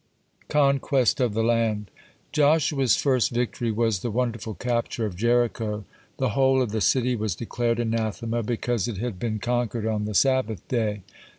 (21) CONQUEST OF THE LAND Joshua's first victory was the wonderful capture of Jericho. The whole of the city was declared anathema, because it had been conquered on the Sabbath day.